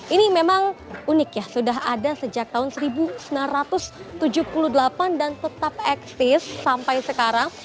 ini memang unik ya sudah ada sejak tahun seribu sembilan ratus tujuh puluh delapan dan tetap eksis sampai sekarang